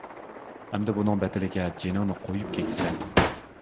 ئەمدى بۇنىڭ بەدىلىگە جېنىڭنى قويۇپ كېتىسەن.